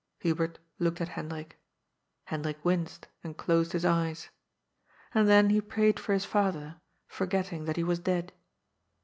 Hubert looked at Hendrik. Hendrik winced and closed his eyes. And then he prayed for his father, forgetting that he was dead.